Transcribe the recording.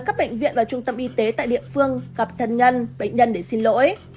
các bệnh viện và trung tâm y tế tại địa phương gặp thân nhân bệnh nhân để xin lỗi